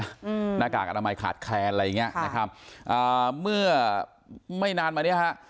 หน้ากากอนามัยขาดแคลนอะไรอย่างเงี้ยนะครับอ่าเมื่อไม่นานมาเนี้ยฮะ